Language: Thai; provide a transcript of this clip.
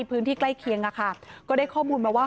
พื้นที่ใกล้เคียงค่ะก็ได้ข้อมูลมาว่า